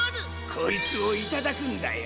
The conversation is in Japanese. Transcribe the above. こいつをいただくんだよ。